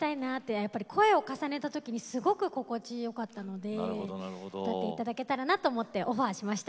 やっぱり声を重ねた時にすごく心地よかったので歌っていただけたらなと思ってオファーしました。